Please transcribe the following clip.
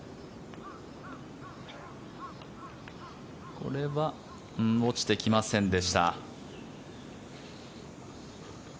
これは落ちてきませんでした。